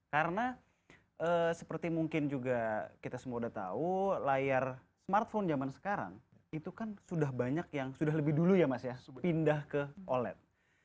karena seperti mungkin juga kita semua sudah tahu layar smartphone zaman sekarang itu kan sudah banyak yang sudah lebih dulu ya mas ya pindah ke oled